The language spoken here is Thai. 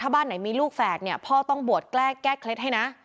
บ้านไหนมีลูกแฝดเนี่ยพ่อต้องบวชแก้เคล็ดให้นะ